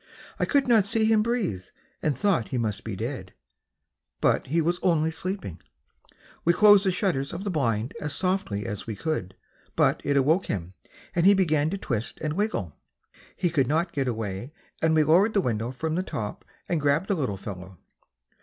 I could not see him breathe and thought he must be dead, but he was only sleeping. We closed the shutters of the blind as softly as we could, but it awoke him, and he began to wiggle and twist. He could not get away and we lowered the window from the top and grabbed the little fellow.